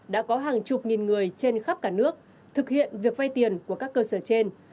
đã có hàng chục nghìn người trên khắp cả nước thực hiện việc vay tiền của các cơ sở trên